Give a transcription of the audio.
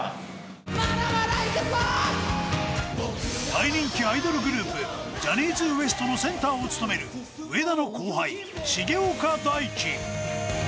大人気アイドルグループジャニーズＷＥＳＴのセンターを務める上田の後輩、重岡大毅。